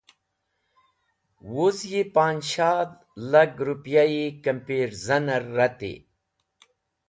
Woz yi panz̃shash lag ripyayi kimpirzaner reti.